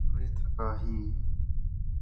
آں وِیتھکا ہیں